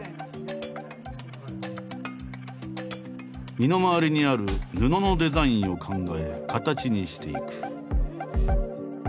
身の回りにある布のデザインを考え形にしていく。